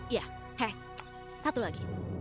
iya hei satu lagi